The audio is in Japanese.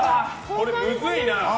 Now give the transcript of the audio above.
これ、むずいな。